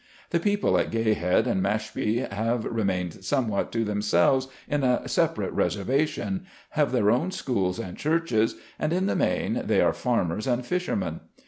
The people at Gay Head and Mashpee have remained somewhat to themselves in a separate reservation, have their own schools and churches, and in the main, they are farmers and fishermen.